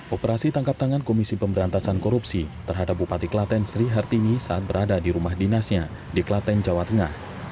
operasi tangkap tangan komisi pemberantasan korupsi terhadap bupati klaten sri hartini saat berada di rumah dinasnya di klaten jawa tengah